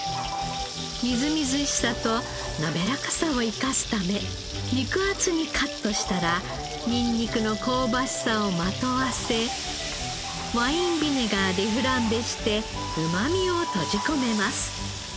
みずみずしさとなめらかさを生かすため肉厚にカットしたらニンニクの香ばしさをまとわせワインビネガーでフランベしてうまみを閉じ込めます。